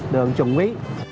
đường trùng quý